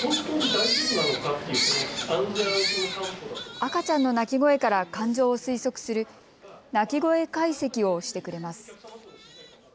赤ちゃんの泣き声から感情を推測する泣き声解析をしてくれます。